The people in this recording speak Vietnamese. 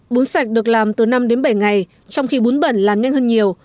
bún sạch được làm từ năm đến bảy ngày trong khi bún bẩn làm nhanh hơn nhiều